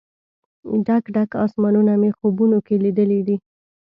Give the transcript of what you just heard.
ډک، ډک اسمانونه مې خوبونو کې لیدلې دي